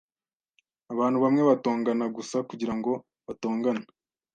Abantu bamwe batongana gusa kugirango batongane.